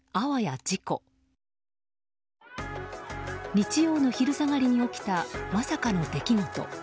日曜の昼下がりに起きたまさかの出来事。